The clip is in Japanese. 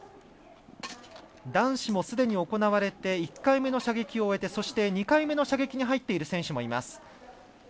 男子もすでに行われて１回目の射撃を終えてそして、２回目の射撃に入っている選手もいます。